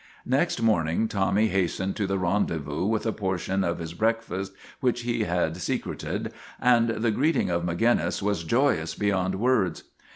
Next morning Tommy hastened to the rendezvous with a portion of his breakfast which he had se creted, and the greeting of Maginnis was joyous be yond words.